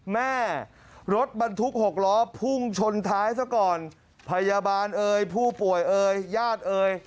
รถบรรทุกหกล้อพุ่งชนท้ายซะก่อนพยาบาลเอ่ยผู้ป่วยเอ่ยญาติเอ่ย